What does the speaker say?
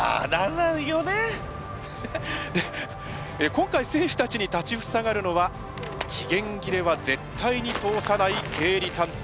今回選手たちに立ち塞がるのは期限切れは絶対に通さない経理担当。